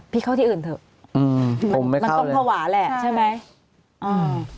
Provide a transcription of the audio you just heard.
พี่เข้าที่อื่นเถอะมันต้องภาวะแล้วใช่ไหมเอ่อ